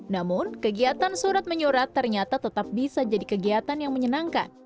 namun kegiatan surat menyurat ternyata tetap bisa jadi kegiatan yang menyenangkan